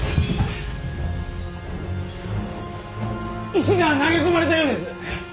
石が投げ込まれたようです！